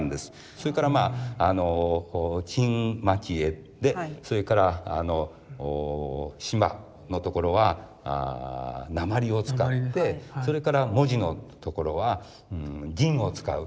それからまあ金蒔絵でそれから島のところは鉛を使ってそれから文字のところは銀を使う。